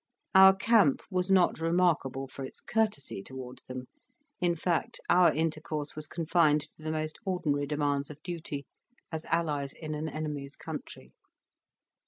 Our camp was not remarkable for its courtesy towards them; in fact, our intercourse was confined to the most ordinary demands of duty, as allies in an enemy's country.